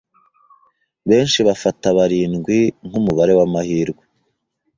Benshi bafata barindwi nkumubare wamahirwe.